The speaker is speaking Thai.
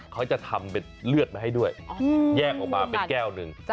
เขาจะทำเป็นเลือดมาให้ด้วยแยกออกมาเป็นแก้วหนึ่ง